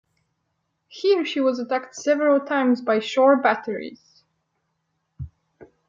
Here she was attacked several times by shore batteries.